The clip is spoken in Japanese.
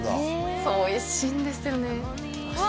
そうおいしいんですよねわあ